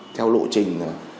theo lộ trình